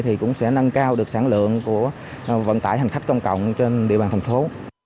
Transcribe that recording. thì cũng sẽ nâng cao được sản lượng của vận tải hành khách công cộng trên địa bàn thành phố